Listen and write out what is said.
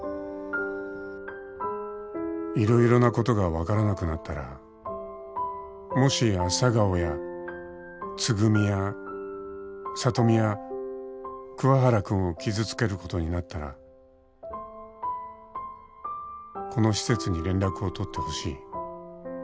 「色々なことが分からなくなったらもし朝顔やつぐみや里美や桑原君を傷つけることになったらこの施設に連絡を取ってほしい」